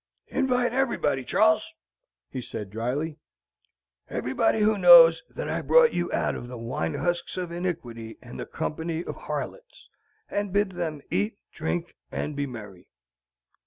"Invite everybody, Char les," he said, dryly; "everybody who knows that I brought you out of the wine husks of iniquity, and the company of harlots; and bid them eat, drink, and be merry."